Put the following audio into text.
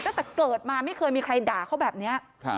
ตั้งแต่เกิดมาไม่เคยมีใครด่าเขาแบบนี้